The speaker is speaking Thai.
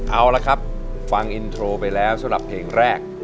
เอาละครับฟังอินโทรไปแล้วสำหรับเพลงแรก